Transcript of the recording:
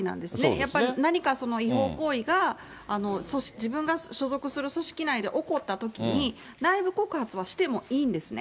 やっぱり何か違法行為が、自分が所属する組織内で起こったときに、内部告発はしてもいいんですね。